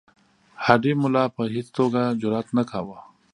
هډې ملا په هیڅ توګه جرأت نه کاوه.